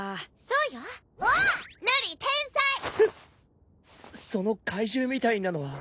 その怪獣みたいなのは。